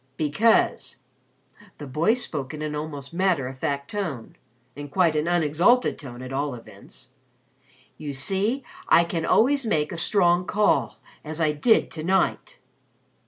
"Because " the boy spoke in an almost matter of fact tone in quite an unexalted tone at all events, "you see I can always make a strong call, as I did tonight."